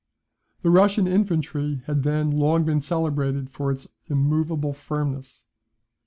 The Russian infantry had then long been celebrated for its immoveable firmness.